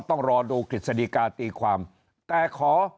ต้องรอดูขฤษฎิกาตีความภัยแต่ขอฟังข้าว